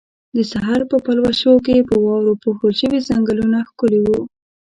د سحر په پلوشو کې په واورو پوښل شوي ځنګلونه ښکلي وو.